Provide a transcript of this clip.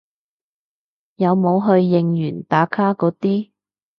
有冇去應援打卡嗰啲